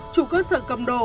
chủ cơ sở cầm đồ